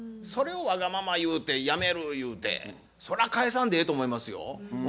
それをわがまま言うてやめる言うてそら返さんでええと思いますよ。